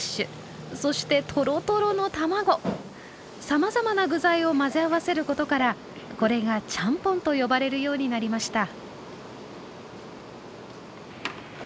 さまざまな具材を混ぜ合わせることからこれがちゃんぽんと呼ばれるようになりました。